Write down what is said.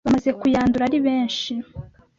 bamaze kuyandura ari benshi